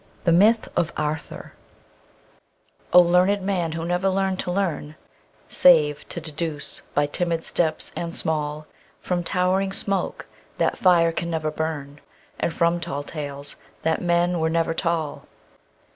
"THE MYTH OF ARTHUR" O learned man who never learned to learn, Save to deduce, by timid steps and small, From towering smoke that fire can never burn And from tall tales that men were never tall.